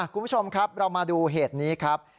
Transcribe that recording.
คุณผู้ชมครับเรามาดูเหตุนี้ครับ